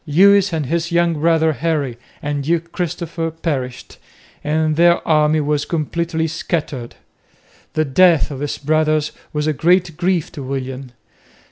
Lewis and his young brother, Henry, and Duke Christopher perished, and their army was completely scattered. The death of his brothers was a great grief to William.